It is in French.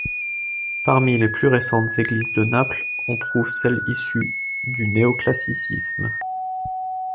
Parmi les plus récentes églises de Naples on trouve celles issues du néoclassicisme.